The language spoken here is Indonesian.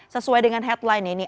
sesuai dengan headline ini